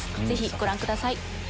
ぜひご覧ください。